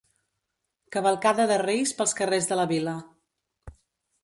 Cavalcada de Reis pels carrers de la vila.